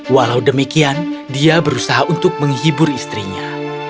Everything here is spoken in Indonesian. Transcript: walau demikian dia berusaha untuk menghibur istrinya